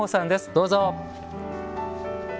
どうぞ。